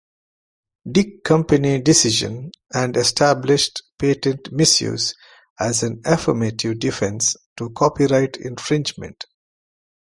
Dick Company decision and established patent misuse as an affirmative defense to copyright infringement.